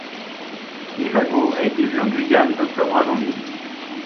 L'imago a été vu en Guyane d'octobre à janvier.